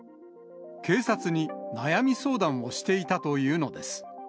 警察に、悩み相談をしていたというのです。